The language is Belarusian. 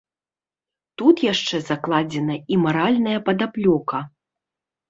Тут яшчэ закладзена і маральная падаплёка.